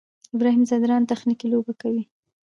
ابراهیم ځدراڼ تخنیکي لوبه کوي.